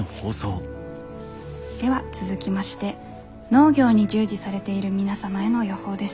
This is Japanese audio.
では続きまして農業に従事されている皆様への予報です。